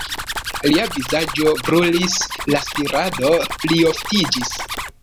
Lia vizaĝo brulis, la spirado plioftiĝis.